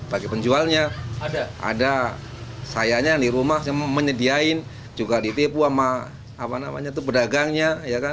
bagi penjualnya ada sayanya yang di rumah yang menyediakan juga ditipu sama pedagangnya